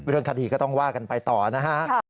เรื่องคดีก็ต้องว่ากันไปต่อนะฮะ